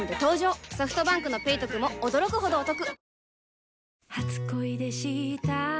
ソフトバンクの「ペイトク」も驚くほどおトク